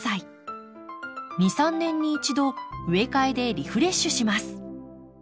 ２３年に１度植え替えでリフレッシュします。